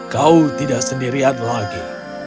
kau tidak sendirian lagi